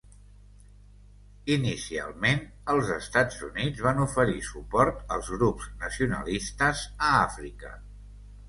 Inicialment, els Estats Units van oferir suport als grups nacionalistes a Àfrica.